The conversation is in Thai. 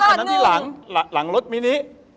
อันนั้นที่หลังรถมินิ